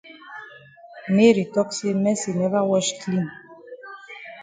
Mary tok say Mercy never wash clean.